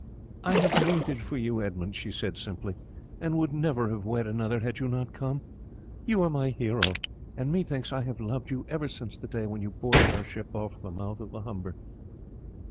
"I have waited for you, Edmund," she said simply, "and would never have wed another had you not come. You are my hero, and methinks I have loved you ever since the day when you boarded our ship off the mouth of the Humber."